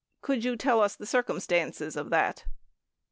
Could you tell us the circumstances of that?